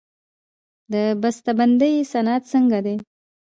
د بسته بندۍ صنعت څنګه دی؟